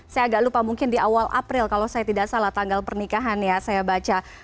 saya agak lupa mungkin di awal april kalau saya tidak salah tanggal pernikahan ya saya baca